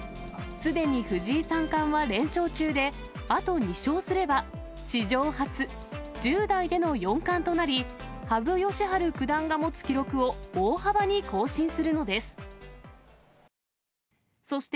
すでに藤井三冠は連勝中で、あと２勝すれば、史上初、１０代での四冠となり、羽生善治九段が持つ記録を大幅に更新するのです。